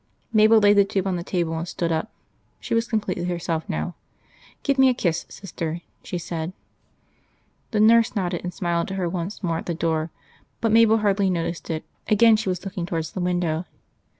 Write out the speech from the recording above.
Mabel laid the tube on the table and stood up. She was completely herself now. "Give me a kiss, sister," she said. The nurse nodded and smiled to her once more at the door. But Mabel hardly noticed it; again she was looking towards the window.